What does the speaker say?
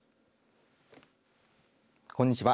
こんにちは。